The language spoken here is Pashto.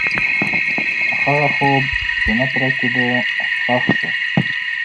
هغه خوب چې نه پوره کېده، ښخ شو.